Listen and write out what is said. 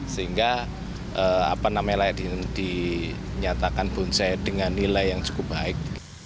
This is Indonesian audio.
sehingga layak dinyatakan bonsai dengan nilai yang cukup baik